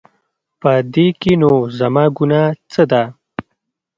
په دې کې نو زما ګناه څه ده؟